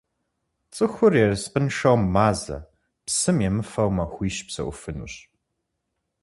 Цӏыхур ерыскъыншэу мазэ, псы емыфэу махуищ псэуфынущ.